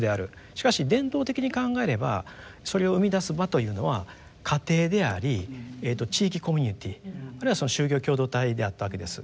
しかし伝統的に考えればそれを生み出す場というのは家庭であり地域コミュニティーあるいはその就業共同体であったわけです。